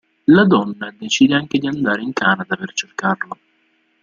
La donna decide anche di andare in Canada per cercarlo.